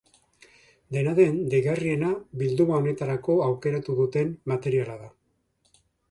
Dena den, deigarriena bilduma honetarako aukeratu duten materiala da.